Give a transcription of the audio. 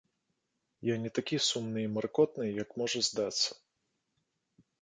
Я не такі сумны і маркотны, як можа здацца.